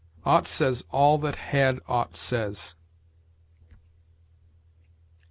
Ought says all that had ought says.